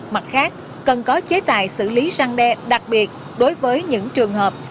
mặt khác cần có chế tài xử lý răng đe đặc biệt đối với những trường hợp